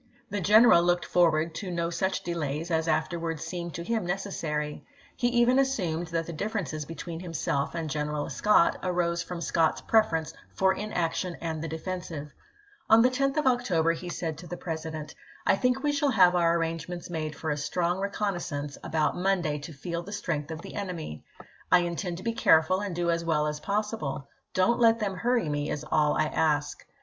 The general looked forward to no such THE AKMY OF THE POTOMAC 453 delays as afterwards seemed to him necessary. He ch. xxv. even assumed that the differences between himself and General Scott arose from Scott's preference lan^e own " for inaction and the defensive." On the 10th of pS October he said to the President :" I think we shall have our arrangements made for a strong reconnaissance about Monday to feel the strength of the enemy. I intend to be careful and do as well as possible. Don't let them hurry me, is all I ask."